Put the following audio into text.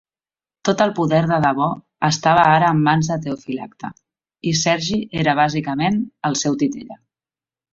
Tot el poder de debò estava ara en mans de Teofilacte, i Sergi era bàsicament el seu titella.